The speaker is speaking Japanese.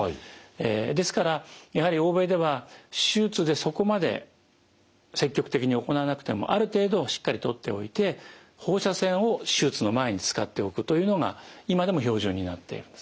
ですからやはり欧米では手術でそこまで積極的に行わなくてもある程度しっかり取っておいて放射線を手術の前に使っておくというのが今でも標準になっているんですね。